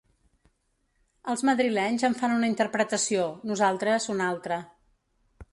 Els madrilenys en fan una interpretació, nosaltres una altra.